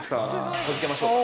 授けましょうか。